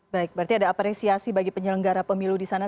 baik berarti ada apresiasi bagi penyelenggara pemilu di sana